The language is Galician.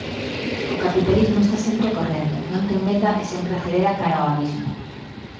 O capitalismo está sempre correndo, non ten meta e sempre acelera cara ao abismo.